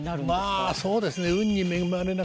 まあそうですね。